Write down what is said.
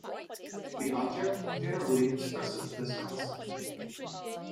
The object generally expresses this concept.